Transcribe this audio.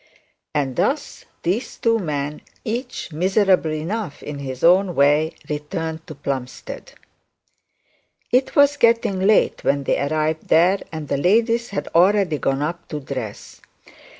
And thus these two men, each miserable enough in his own way, returned to Plumstead. It was getting late when they arrived there, and the ladies had already gone up to dress.